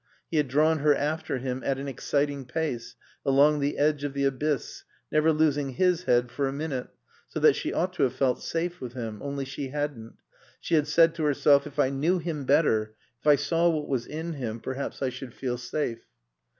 He had drawn her after him at an exciting pace, along the edge of the abyss, never losing his head for a minute, so that she ought to have felt safe with him. Only she hadn't. She had said to herself, "If I knew him better, if I saw what was in him, perhaps I should feel safe."